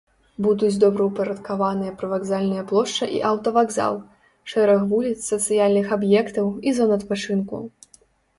Будуць добраўпарадкаваныя прывакзальная плошча і аўтавакзал, шэраг вуліц, сацыяльных аб'ектаў і зон адпачынку.